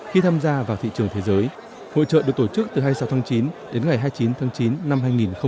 khi tham gia vào thị trường thế giới hội trợ được tổ chức từ hai mươi sáu tháng chín đến ngày hai mươi chín tháng chín năm hai nghìn một mươi chín